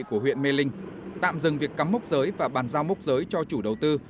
của huyện mê linh tạm dừng việc cắm mốc giới và bàn giao mốc giới cho chủ đầu tư